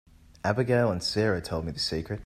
Abigail and Sara told me the secret.